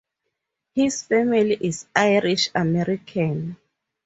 His family is Irish American.